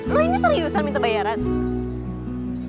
ru ini seriusan minta bayaran